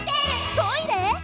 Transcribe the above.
トイレ！？